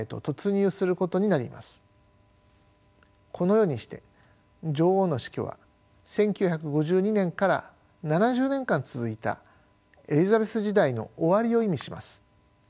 このようにして女王の死去は１９５２年から７０年間続いたエリザベス時代の終わりを意味します。